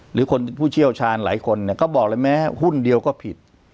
หรือคนผู้เชี่ยวชาญหลายคนก็บอกเลยแม้หุ้นเดียวก็ผิด